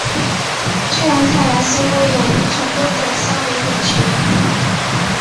这样看来似乎有无穷多种三维点群。